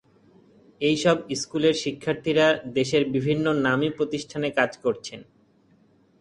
এইসব স্কুলের শিক্ষার্থীরা দেশের বিভিন্ন নামী প্রতিষ্ঠানে কাজ করছেন।